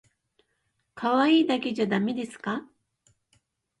可愛いだけじゃだめですか？